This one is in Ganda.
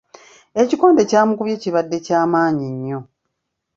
Ekikonde ky'amukubye kibadde kya maanyi nnyo.